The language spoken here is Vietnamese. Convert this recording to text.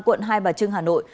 quận hai bà trưng hà nội